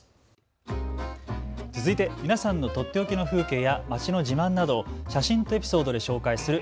続いて皆さんのとっておきの風景や街の自慢などを写真とエピソードで紹介する＃